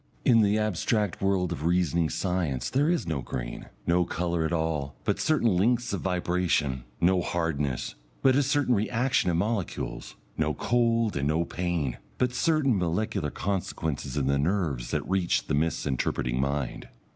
In the abstract world of reasoning science there is no green, no colour at all, but certain lengths of vibration; no hardness, but a certain reaction of molecules; no cold and no pain, but certain molecular consequences in the nerves that reach the misinterpreting mind.